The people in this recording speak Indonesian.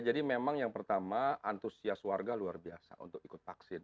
jadi memang yang pertama antusias warga luar biasa untuk ikut vaksin